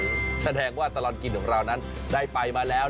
แสดงว่าตลอดกินของเรานั้นได้ไปมาแล้ว